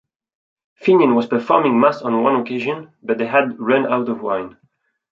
Finnian was performing mass on one occasion, but they had run out of wine.